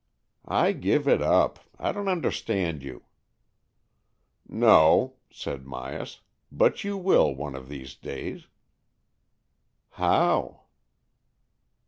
" I give it up. I don't understand you." " No," said Myas. " But you will one of these days." " How?"